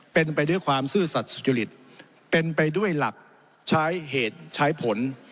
เป็นไปด้วยความซื่อสัตว์สุจริตเป็นไปด้วยหลักใช้เหตุใช้ผล